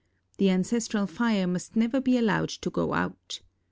The ancestral fire must never be allowed to go out.